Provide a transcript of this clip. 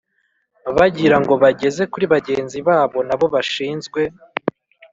bagira ngo bageze kuri bagenzi babo n'abo bashinzwe